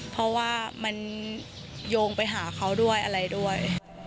เพราะว่ามันโยงไปหาเขาด้วยอะไรด้วย